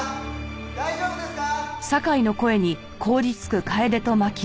大丈夫ですか？